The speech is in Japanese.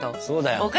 そうだよ。